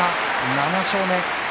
７勝目。